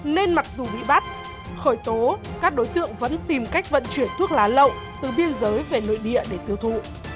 nên mặc dù bị bắt khởi tố các đối tượng vẫn tìm cách vận chuyển thuốc lá lậu từ biên giới về nội địa để tiêu thụ